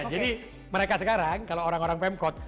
jadi mereka sekarang kalau orang orang pemkot